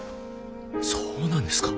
そうなんですか。